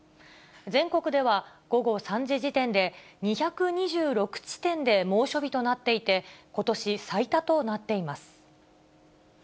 全国では午後３時時点で、２２６地点で猛暑日となっていて、ことし最多となっています。